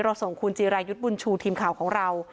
ส่งคุณจิรายุทธ์บุญชูทีมข่าวของเรา